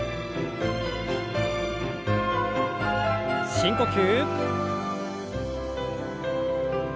深呼吸。